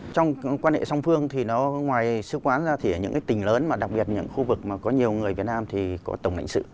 trong quan hệ song phương thì nó ngoài sứ quán ra thì ở những cái tỉnh lớn mà đặc biệt những khu vực mà có nhiều người việt nam thì có tổng lãnh sự